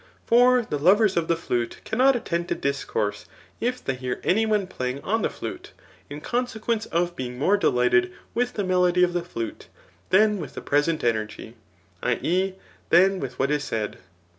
For the lovers of the flute cannot attend to discourse if they hear any one playing on the flute, in consequence of being more delighted with the melody of the flute, than with the present energy [i. e. than wth what is said.